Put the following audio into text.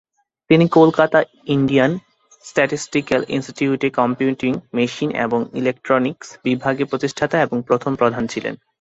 তিনি Kolkata Indian statistical ইনস্টিটিউটে computing machine এবং ইলেকট্রনিক্স বিভাগের প্রতিষ্ঠাতা এবং প্রথম প্রধান ছিলেন।